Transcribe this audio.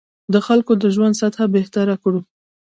د خلکو د ژوند سطح بهتره کړو.